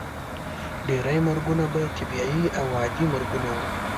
ډیری مرګونه به طبیعي او عادي مرګونه وو.